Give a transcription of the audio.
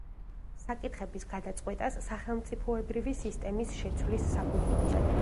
საკითხების გადაწყვეტას სახელმწიფოებრივი სისტემის შეცვლის საფუძველზე.